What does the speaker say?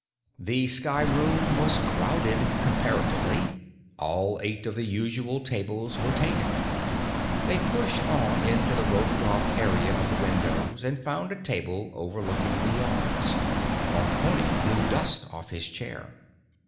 The skyroom was crowded—comparatively. All eight of the usual tables were taken; they pushed on into the roped off area by the windows and found a table overlooking the Yards. Marconi blew dust off his chair.